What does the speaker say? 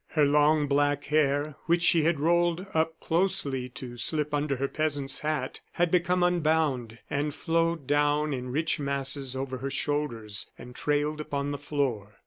Her long black hair, which she had rolled up closely to slip under her peasant's hat, had become unbound, and flowed down in rich masses over her shoulders and trailed upon the floor.